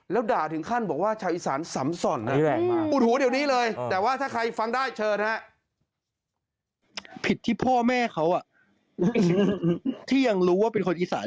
แล้วด่าถึงขั้นบอกว่าชาวอีสานสำส่อน